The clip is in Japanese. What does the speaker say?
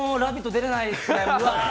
出れないですね。